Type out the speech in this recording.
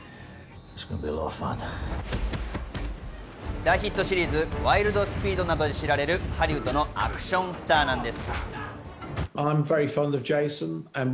大ヒットシリーズ『ワイルド・スピード』などで知られるハリウッドのアクションスターなんです。